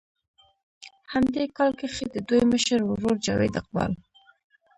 هم دې کال کښې د دوي مشر ورور جاويد اقبال